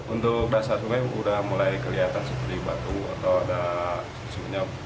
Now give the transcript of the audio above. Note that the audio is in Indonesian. untuk dasar sungai sudah mulai kelihatan seperti batu atau ada susunya